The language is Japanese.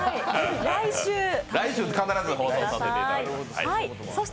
来週必ず放送させていただきます。